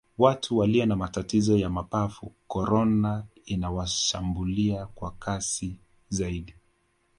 watu waliyo na matatizo ya mapafu korona inawashambulia kwa kasi zaidi